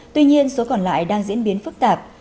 tuy nhiên số còn lại đang diễn biến phức tạp